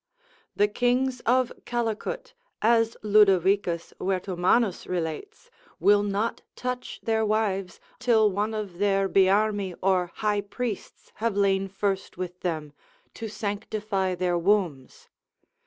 The kings of Calecut, as Lod. Vertomannus relates, will not touch their wives, till one of their Biarmi or high priests have lain first with them, to sanctify their wombs.